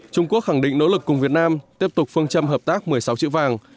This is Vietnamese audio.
trung quốc khẳng định nỗ lực cùng việt nam tiếp tục phương châm hợp tác một mươi sáu chữ vàng